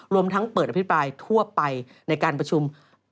รวมทั้งเปิดอภิปรายทั่วไปในการประชุม